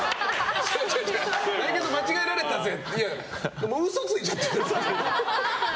内見と間違えられたぜっていや、嘘ついちゃってる。